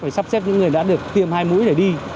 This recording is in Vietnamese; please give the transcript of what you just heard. phải sắp xếp những người đã được tiêm hai mũi để đi